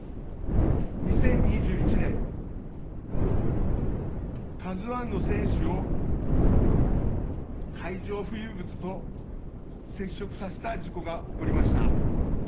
２０２１年、カズワンの船首を、海上浮遊物と接触させた事故が起こりました。